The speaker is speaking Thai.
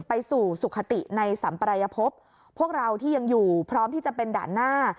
ไปสู่สุขติในสัมปรายภพพวกเราที่ยังอยู่พร้อมที่จะเป็นด่านหน้า